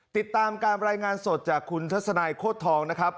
ติดตามการรายงานสดจากคุณทัศนายโคตรทองนะครับ